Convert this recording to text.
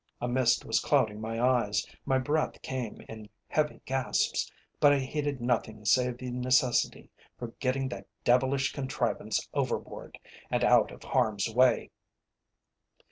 A mist was clouding my eyes, my breath came in heavy gasps, but I heeded nothing save the necessity for getting that devilish contrivance overboard, and out of harm's way.